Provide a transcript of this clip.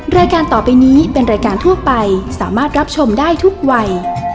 รายการต่อไปนี้เป็นรายการทั่วไปสามารถรับชมได้ทุกวัย